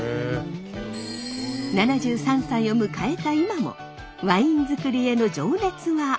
７３歳を迎えた今もワイン作りへの情熱は衰えていません。